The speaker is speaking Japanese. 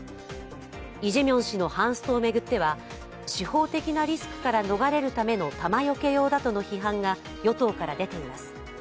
イ・ジェミョン氏のハンストを巡っては司法的なリスクから逃れるための弾よけ用だとの批判が与党から出ています。